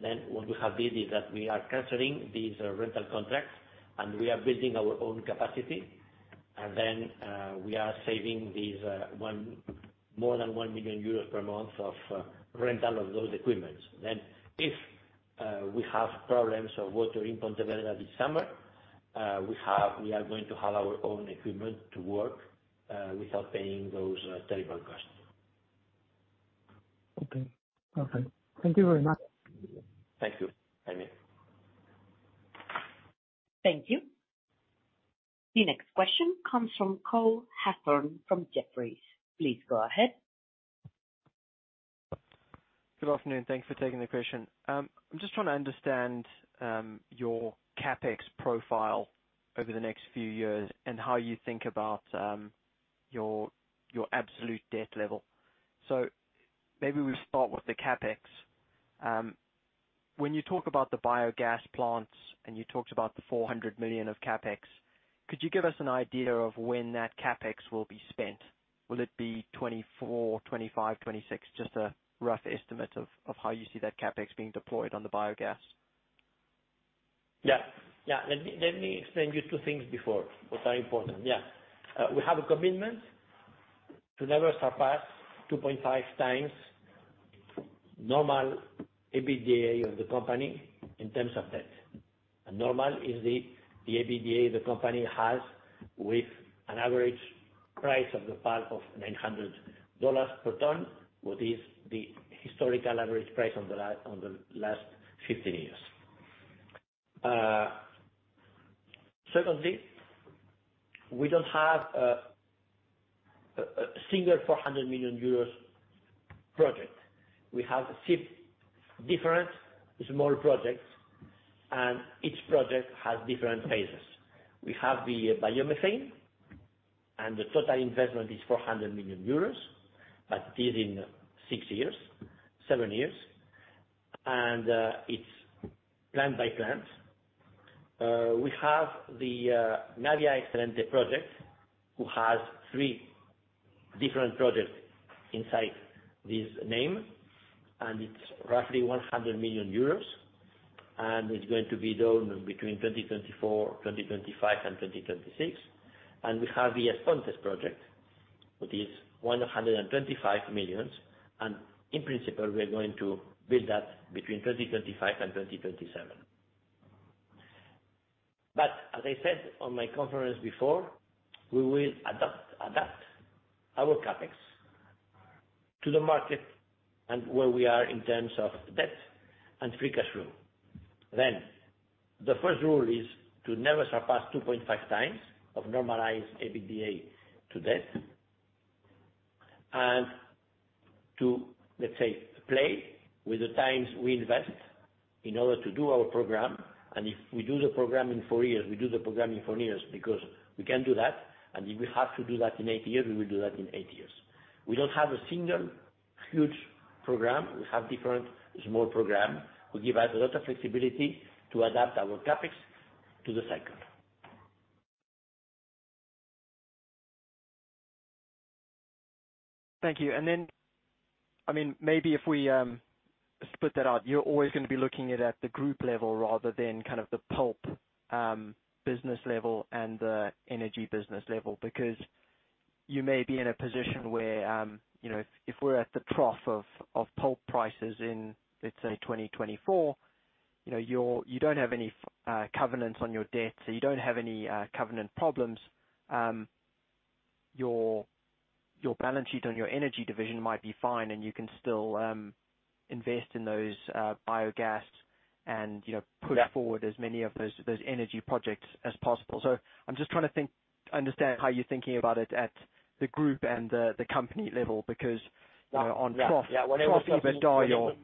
then what we have did is that we are canceling these rental contracts, we are building our own capacity. Then, we are saving these more than 1 million euros per month of rental of those equipments. If we have problems of water in Pontevedra this summer, we are going to have our own equipment to work, without paying those, terrible costs. Okay. Okay. Thank you very much. Thank you, Jaime. Thank you. The next question comes from Cole Hathorn from Jefferies. Please go ahead. Good afternoon. Thanks for taking the question. I'm just trying to understand your CapEx profile over the next few years and how you think about your absolute debt level. Maybe we start with the CapEx. When you talk about the biogas plants, and you talked about the 400 million of CapEx, could you give us an idea of when that CapEx will be spent? Will it be 2024, 2025, 2026? Just a rough estimate of how you see that CapEx being deployed on the biogas. Yeah. Let me explain you two things before, that are important. Yeah. We have a commitment to never surpass 2.5x normal EBITDA of the company in terms of debt. Normal is the EBITDA the company has with an average price of the pulp of $900 per ton. What is the historical average price on the last 15 years. Secondly, we don't have a single 400 million euros project. We have six different small projects, and each project has different phases. We have the biomethane, and the total investment is 400 million euros, but it is in six years, seven years, and it's plant by plant. We have the Navia Excelente project, who has three different projects inside this name, it's roughly 100 million euros, it's going to be done between 2024, 2025 and 2026. We have the As Pontes project, which is 125 million, in principle, we are going to build that between 2025 and 2027. As I said on my conference before, we will adapt our CapEx to the market and where we are in terms of debt and free cash flow. The first rule is to never surpass 2.5x of normalized EBITDA to debt, and to, let's say, play with the times we invest in order to do our program. If we do the program in four years, we do the program in four years because we can do that. If we have to do that in eight years, we will do that in eight years. We don't have a single huge program. We have different small program. Will give us a lot of flexibility to adapt our CapEx to the cycle. Thank you. I mean, maybe if we split that out, you're always gonna be looking it at the group level rather than kind of the pulp business level and the energy business level. Because you may be in a position where, you know, if we're at the trough of pulp prices in, let's say, 2024, you don't have any covenants on your debt, so you don't have any covenant problems. Your balance sheet on your energy division might be fine, and you can still invest in those biogas and, you know. Yeah. Push forward as many of those energy projects as possible. I'm just trying to understand how you're thinking about it at the group and the company level because- Yeah. -uh, on trough- Yeah. Trough, EBITDA.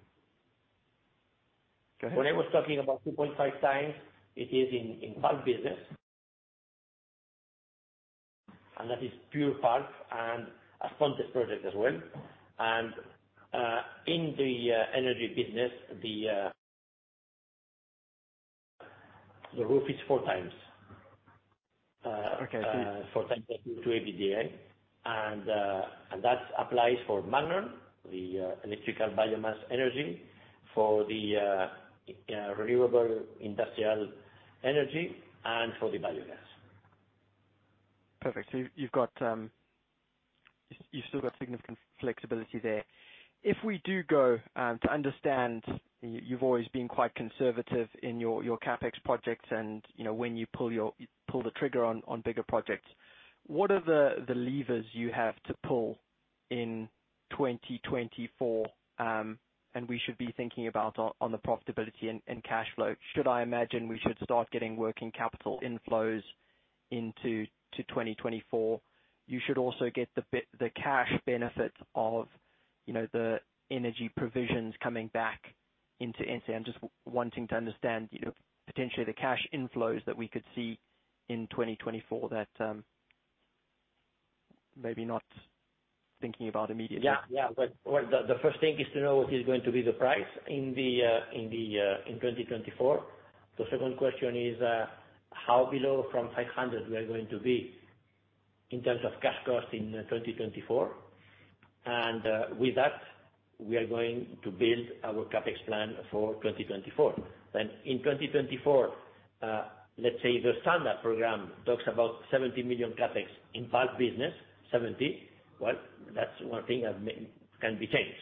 Go ahead. When I was talking about 2.5x, it is in pulp business. That is pure pulp and As Pontes project as well. In the energy business, the roof is 4x. Okay. 4x the 2x EBITDA. That applies for Magnon, the electrical biomass energy, for the renewable industrial energy and for the biogas. Perfect. You've got significant flexibility there. If we do go to understand, you've always been quite conservative in your CapEx projects and, you know, when you pull the trigger on bigger projects, what are the levers you have to pull in 2024 and we should be thinking about on the profitability and cash flow? Should I imagine we should start getting working capital inflows into 2024? You should also get the cash benefits of, you know, the energy provisions coming back into. I'm just wanting to understand, you know, potentially the cash inflows that we could see in 2024 that maybe not thinking about immediately. Yeah. Yeah. Well, the first thing is to know what is going to be the price in 2024. The second question is how below from 500 we are going to be in terms of cash costs in 2024. With that, we are going to build our CapEx plan for 2024. In 2024, let's say the standard program talks about 70 million CapEx in pulp business, 70. Well, that's one thing that can be changed,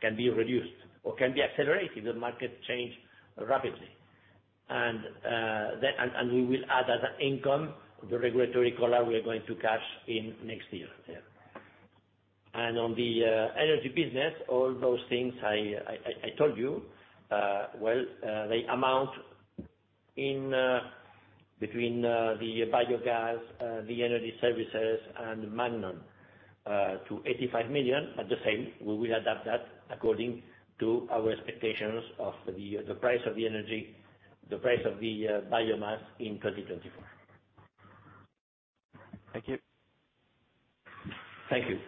can be reduced or can be accelerated, the market change rapidly. And we will add as an income, the regulatory collar we are going to cash in next year. Yeah. On the energy business, all those things I told you, they amount in between the biogas, the energy services and Magnon, to 85 million. At the same, we will adapt that according to our expectations of the price of the energy, the price of the biomass in 2024. Thank you. Thank you.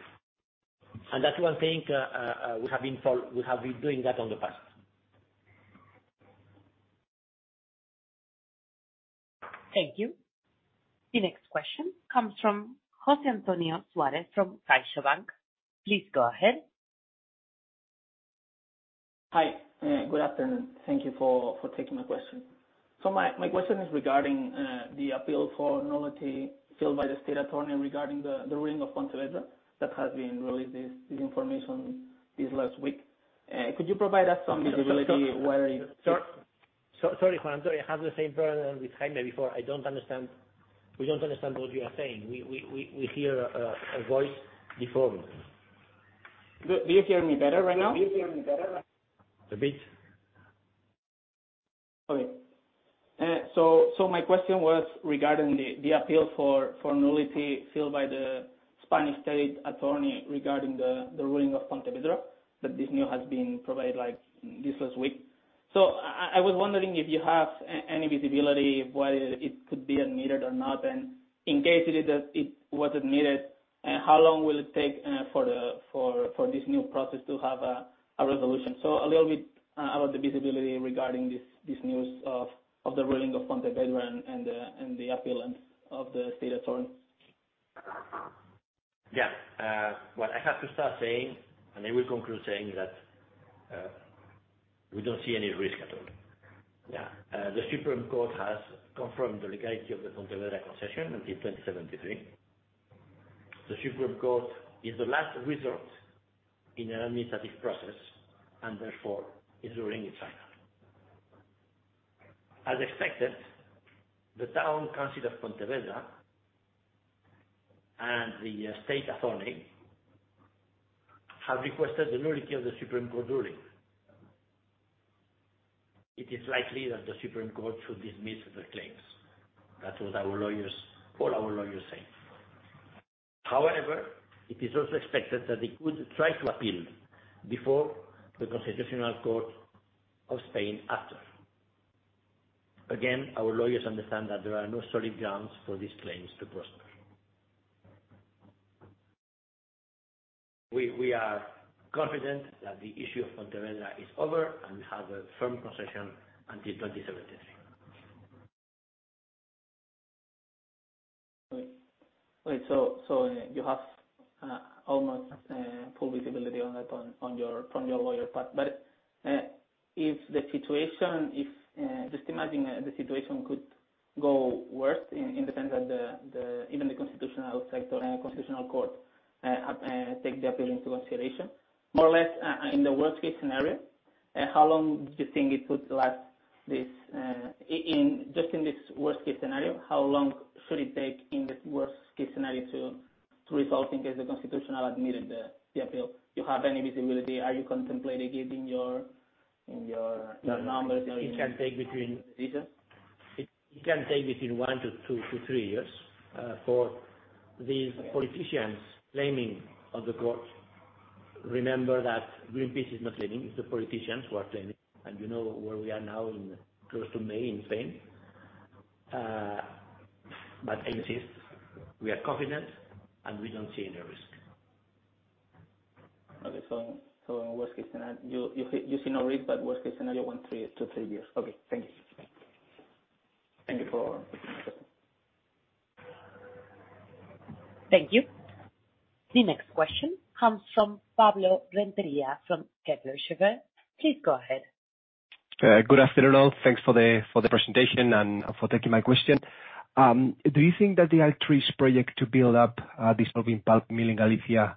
That's one thing we have been doing that on the past. Thank you. The next question comes from José Antonio Suárez from CaixaBank. Please go ahead. Hi. Good afternoon. Thank you for taking my question. My question is regarding the appeal for nullity filed by the state attorney regarding the ruling of Pontevedra that has been released this information this last week. Could you provide us some visibility where. Sorry, José. Sorry. I have the same problem as with Jaime before. I don't understand. We don't understand what you are saying. We hear a voice before. Do you hear me better right now? A bit. Okay. My question was regarding the appeal for nullity filed by the Spanish state attorney regarding the ruling of Pontevedra, that this new has been provided, like, this last week. I was wondering if you have any visibility whether it could be admitted or not. In case it is, it was admitted, how long will it take for this new process to have a resolution? A little bit about the visibility regarding this news of the ruling of Pontevedra and the appellant of the state attorney. What I have to start saying, I will conclude saying that we don't see any risk at all. The Supreme Court has confirmed the legality of the Pontevedra concession until 2073. The Supreme Court is the last resort in an administrative process, and therefore its ruling is final. As expected, the town council of Pontevedra and the state attorney have requested the nullity of the Supreme Court ruling. It is likely that the Supreme Court should dismiss the claims. That's what our lawyers, all our lawyers say. However, it is also expected that they could try to appeal before the Constitutional Court of Spain after. Again, our lawyers understand that there are no solid grounds for these claims to prosper. We are confident that the issue of Pontevedra is over, and we have a firm concession until 2073. Wait. Wait. You have almost full visibility on that on your, from your lawyer part. If the situation, if just imagine the situation could go worse in the sense that even the constitutional sector and Constitutional Court take the appeal into consideration. More or less, in the worst-case scenario, how long do you think it could last this? Just in this worst-case scenario, how long should it take in this worst-case scenario to resolve in case the Constitutional admitted the appeal? Do you have any visibility? Are you contemplating it in your numbers? It can take.... decisions? It can take between one to two to three years for these politicians claiming of the court. Remember that Greenpeace is not claiming, it's the politicians who are claiming, and you know where we are now in close to May in Spain. I insist we are confident, and we don't see any risk. Okay. Worst case scenario, you see no risk, but worst case scenario, one, three to three years. Okay. Thank you. Thank you for. [INAUDIBLE] Thank you. The next question comes from Pablo de Renteria from Kepler Cheuvreux. Please go ahead. Good afternoon all. Thanks for the presentation and for taking my question. Do you think that the Altri's project to build up dissolving pulp mill in Galicia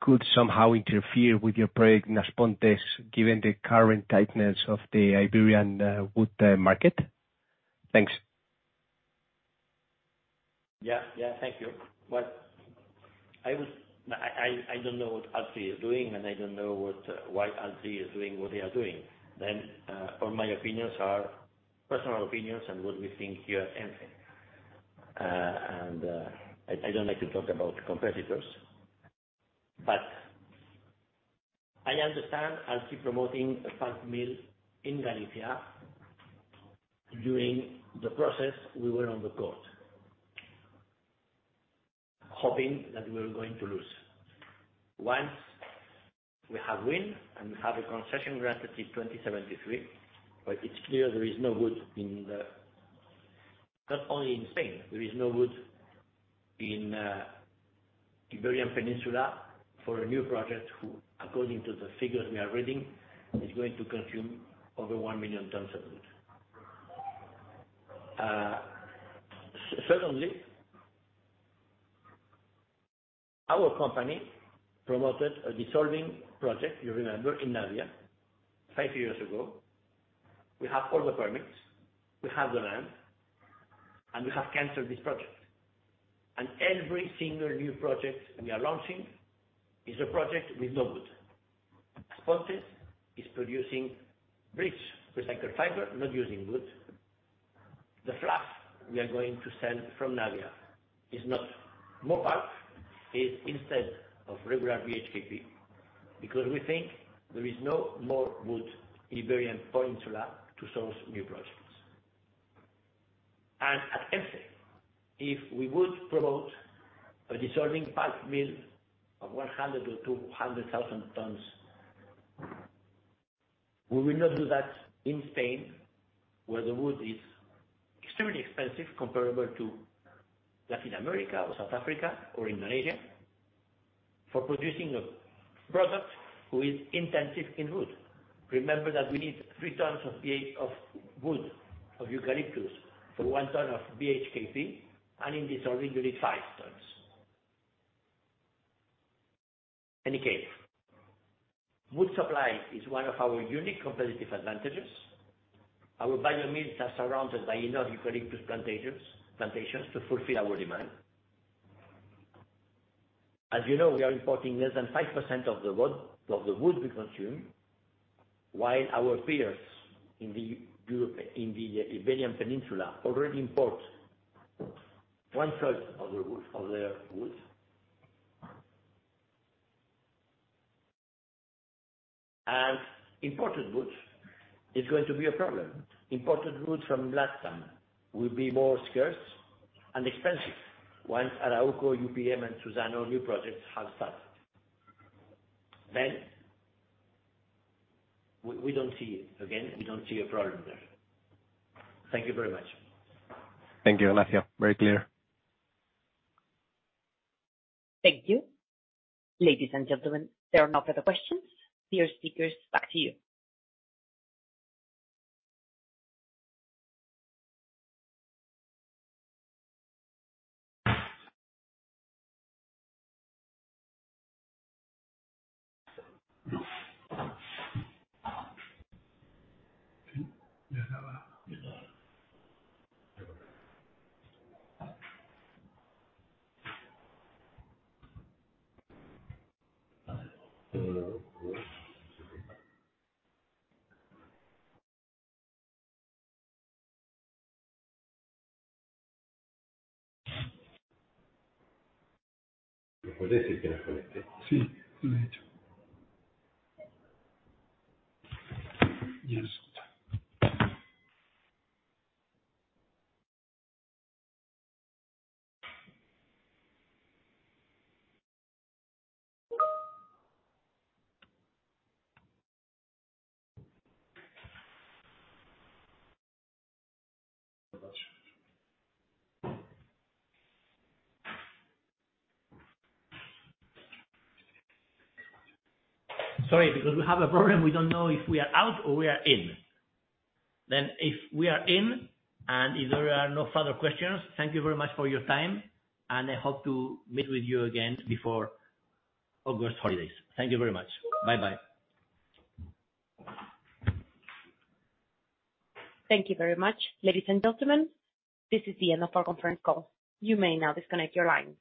could somehow interfere with your project in As Pontes, given the current tightness of the Iberian wood market? Thanks. Yeah. Yeah. Thank you. I don't know what Altri is doing, and I don't know what, why Altri is doing what they are doing. All my opinions are personal opinions and what we think here at ENCE. I don't like to talk about competitors. I understand Altri promoting a pulp mill in Galicia during the process we were on the court, hoping that we were going to lose. Once we have win and we have a concession granted till 2073, but it's clear there is no wood in, not only in Spain, there is no wood in, Iberian Peninsula for a new project who, according to the figures we are reading, is going to consume over 1 million tons of wood. Secondly, our company promoted a dissolving project, you remember, in Navia five years ago. We have all the permits, we have the land, we have canceled this project. Every single new project we are launching is a project with no wood. As Pontes is producing rich recycled fiber, not using wood. The fluff we are going to sell from Navia is not more pulp, it's instead of regular BHKP, because we think there is no more wood Iberian Peninsula to source new projects. At ENCE, if we would promote a dissolving pulp mill of 100,000 or 200,000 tons, we will not do that in Spain, where the wood is extremely expensive, comparable to Latin America or South Africa or Indonesia, for producing a product who is intensive in wood. Remember that we need 3 tons of wood, of eucalyptus for 1 ton of BHKP, and in dissolving, you need 5 tons. Any case, wood supply is one of our unique competitive advantages. Our bio mills are surrounded by enough eucalyptus plantations to fulfill our demand. As you know, we are importing less than 5% of the wood we consume, while our peers in the Iberian Peninsula already import 1/3 of their wood. Imported wood is going to be a problem. Imported wood from Latin will be more scarce and expensive once Arauco, UPM and Suzano new projects have started. We don't see it. Again, we don't see a problem there. Thank you very much. Thank you. Gracias. Very clear. Thank you. Ladies, and gentlemen, there are no further questions. Dear speakers, back to you. Sorry, because we have a problem. We don't know if we are out or we are in. If we are in, and if there are no further questions, thank you very much for your time, and I hope to meet with you again before August holidays. Thank you very much. Bye-bye. Thank you very much, ladies and gentlemen. This is the end of our conference call. You may now disconnect your lines.